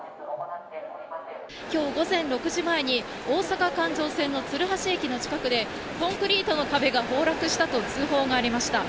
きょう午前６時前に、大阪環状線の鶴橋駅の近くで、コンクリートの壁が崩落したと通報がありました。